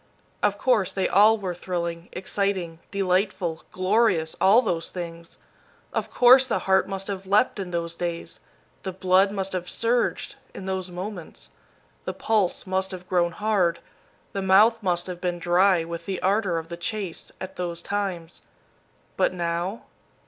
Of course, they all were thrilling, exciting, delightful, glorious, all those things. Of course, the heart must have leaped in those days. The blood must have surged, in those moments. The pulse must have grown hard, the mouth must have been dry with the ardor of the chase, at those times. But now?